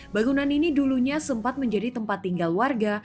bangunan ini dulunya sempat menjadi tempat tinggal warga